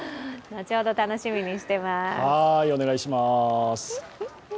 後ほど楽しみにしています。